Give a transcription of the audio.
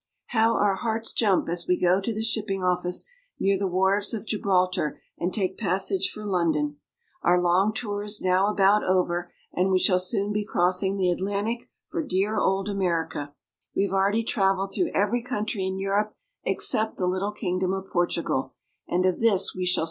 HOW our hearts jump as we go to the shipping office near the wharves of Gibraltar and take passage for London ! Our long tour is now about over, and we shall soon be crossing the Atlantic for dear old America. We have already traveled through every country in Europe except the little kingdom of Portugal, and of this we shall 446 PORTUGAL.